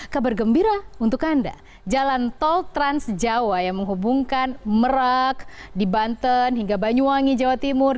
kabar gembira untuk anda jalan tol trans jawa yang menghubungkan merak di banten hingga banyuwangi jawa timur